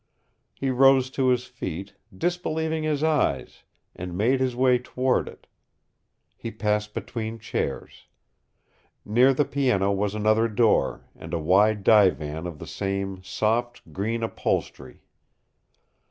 He rose to his feet, disbelieving his eyes, and made his way toward it. He passed between chairs. Near the piano was another door, and a wide divan of the same soft, green upholstery.